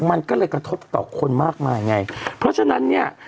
มันก็เลยกระทบต่อคนมากมายไงเพราะฉะนั้นเนี่ย